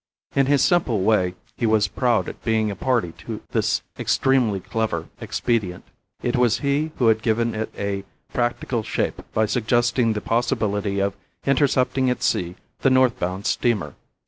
In his simple way he was proud at being a party to this extremely clever expedient. It was he who had given it a practical shape by suggesting the possibility of intercepting at sea the north bound steamer.